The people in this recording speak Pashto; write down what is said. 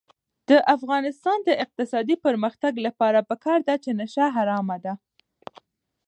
د افغانستان د اقتصادي پرمختګ لپاره پکار ده چې نشه حرامه ده.